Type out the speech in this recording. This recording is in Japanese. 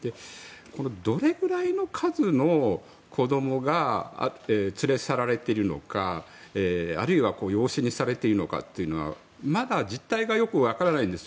どれぐらいの数の子どもが連れ去られているのかあるいは養子にされているのかというのはまだ実態がよくわからないんですよ。